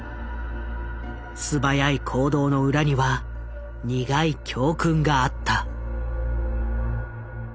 素早い行動の裏には苦い教訓があった。